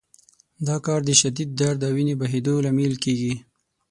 دا کار د شدید درد او وینې بهېدو لامل کېږي.